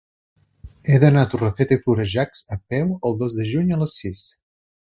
He d'anar a Torrefeta i Florejacs a peu el dos de juny a les sis.